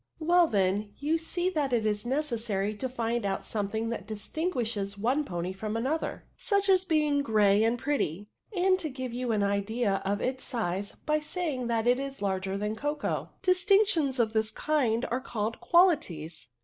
"" Well, then, you see that it is necessary to 'find out l^omething that distinguishes one pony &om another, such as being grey and pretty; and to give you an idea of its ske,' by saying that it is larger than Coco. Distinctions of this kind are called qua lities.'?